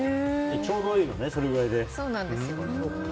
ちょうどいいのねそれぐらいで。